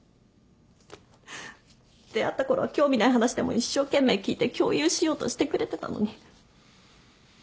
出会ったころは興味ない話でも一生懸命聞いて共有しようとしてくれてたのに。